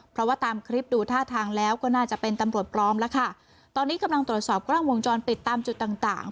เพราะว่าตามคลิปดูท่าทางแล้วก็น่าจะเป็นตำรวจปลอมแล้วค่ะตอนนี้กำลังตรวจสอบกล้องวงจรปิดตามจุดต่างต่าง